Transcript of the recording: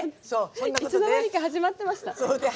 いつの間にか始まってました。